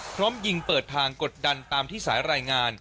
พร้อมยิงเปิดทางกดดันตามที่สายรายงาน